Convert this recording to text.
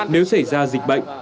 nếu xảy ra dịch bệnh